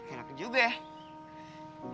enak juga ya